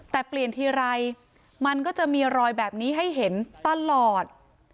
แต่เปลี่ยนทีไรมันก็จะมีรอยแบบนี้ให้เห็นตลอด